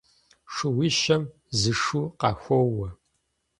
Шууищэм зы шу къахоуэ.